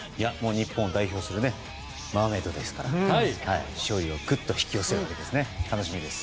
日本を代表するマーメイドですから勝利をぐっと引き寄せるのが楽しみです。